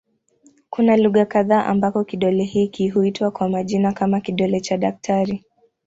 Kuna lugha kadha ambako kidole hiki huitwa kwa majina kama "kidole cha daktari".